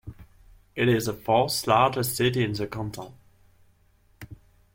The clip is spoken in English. It is the fourth largest city in the canton.